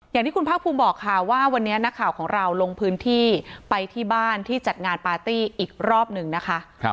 อย่างที่คุณภาคภูมิบอกค่ะว่าวันนี้นักข่าวของเราลงพื้นที่ไปที่บ้านที่จัดงานปาร์ตี้อีกรอบหนึ่งนะคะ